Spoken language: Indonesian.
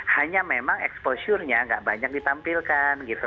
hanya memang exposure nya gak banyak ditampilkan gitu